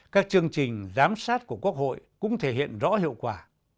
các chương trình giám sát của quốc hội cũng thể hiện rõ hiệu quả